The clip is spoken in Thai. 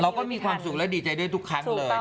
มีความสุขและดีใจด้วยทุกครั้งเลย